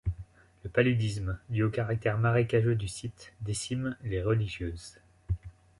Le paludisme, dû au caractère marécageux du site, décime les religieuses.